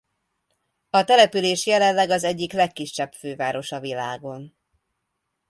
A település jelenleg az egyik legkisebb főváros a világon.